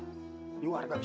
maka kita harus berhenti